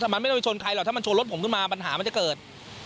มันไม่ต้องไปชนใครหรอกถ้ามันชนรถผมขึ้นมาปัญหามันจะเกิด